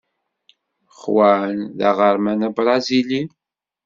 Juan d aɣerman abṛazili.